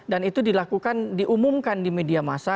dan itu dilakukan diumumkan di media masa